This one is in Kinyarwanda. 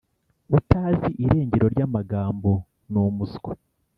“Utazi irengero ry’amagambo numuswa